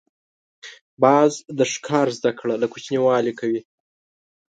باز د ښکار زده کړه له کوچنیوالي کوي